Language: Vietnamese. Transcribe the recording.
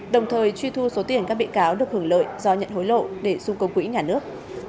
đồng thời truy thu số tiền các bị cáo được hưởng lợi do nhận hối lộ để xung công quỹ nhà nước